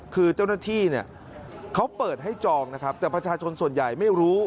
คือเจ้าหน้าที่เนี่ยเขาเปิดให้จองนะครับแต่ประชาชนส่วนใหญ่ไม่รู้